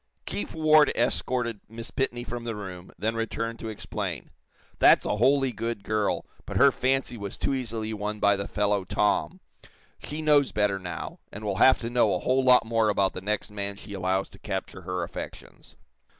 Chief Ward escorted Miss Pitney from the room, then returned to explain: "That's a wholly good girl, but her fancy was too easily won by the fellow, 'Tom.' She knows better, now, and will have to know a whole lot more about the next man she allows to capture her affections.